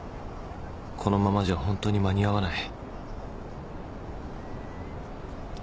このままじゃホントに間に合わない